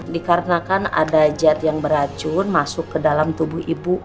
dikarenakan ada jet yang beracun masuk ke dalam tubuh ibu